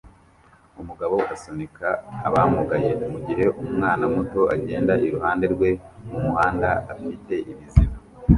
umugabo asunika abamugaye mugihe umwana muto agenda iruhande rwe mumuhanda afite ibiziba